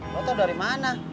lu tau dari mana